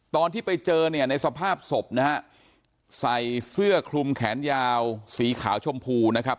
ตอนที่ไปเจอเนี่ยในสภาพศพนะฮะใส่เสื้อคลุมแขนยาวสีขาวชมพูนะครับ